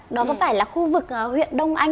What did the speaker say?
đó có phải là khu vực huyện đông anh